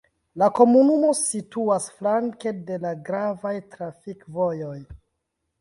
La komunumo situas flanke de la gravaj trafikvojoj.